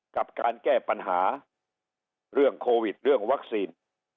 กับการแก้ปัญหาเรื่องโควิดเรื่องวัคซีน